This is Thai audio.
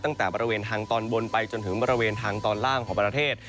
ตั้งแต่บริเวณทางตอนบนไปจนถึงบริเวณทางตอนล่างของประเทศ